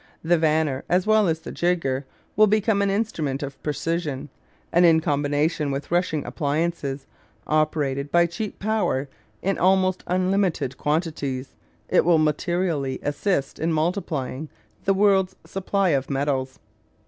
The vanner, as well as the jigger, will become an instrument of precision; and in combination with rushing appliances operated by cheap power in almost unlimited quantities it will materially assist in multiplying the world's supply of metals.